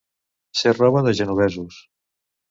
Ser roba de genovesos.